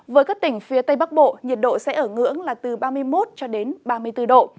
với các tỉnh phía tây bắc bộ nhiệt độ sẽ ở ngưỡng là từ ba mươi một ba mươi bốn độ